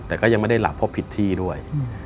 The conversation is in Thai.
แต่ก็ยังไม่ได้หลับเพราะผิดที่ด้วย